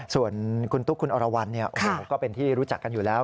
ส่วนคุณตุ๊กคุณอรวรรณก็เป็นที่รู้จักกันอยู่แล้ว